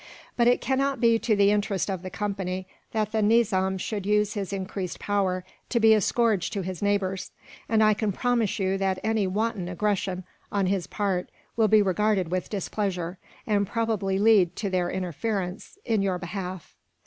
But it cannot be to the interest of the Company that the Nizam should use his increased power to be a scourge to his neighbours; and I can promise you that any wanton aggression, on his part, will be regarded with displeasure, and probably lead to their interference in your behalf.